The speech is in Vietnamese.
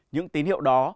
những tín hiệu đó